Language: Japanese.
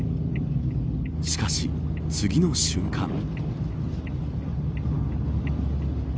しかし、次の瞬間。